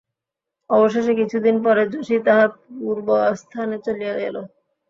অবশেষে কিছুদিন পরে যশি তাহার পূর্বস্থানে চলিয়া গেল।